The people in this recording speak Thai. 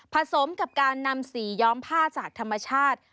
สมกับการนำสีย้อมผ้าจากธรรมชาติ